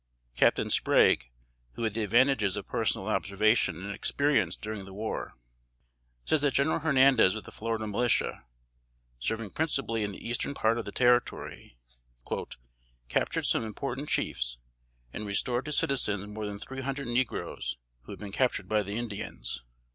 Captain Sprague, who had the advantages of personal observation and experience during the war, says that General Hernandez of the Florida Militia, serving principally in the eastern part of the Territory, "captured some important chiefs, and restored to citizens more than three hundred negroes who had been captured by the Indians."